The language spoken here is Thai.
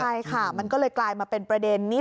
ใช่ค่ะมันก็เลยกลายมาเป็นประเด็นนี้